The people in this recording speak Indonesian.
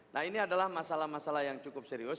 nah ini adalah masalah masalah yang cukup serius